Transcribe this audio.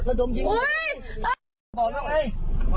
มันทำเหลือแล้วทำนู้นแล้วทำนู้นแล้ว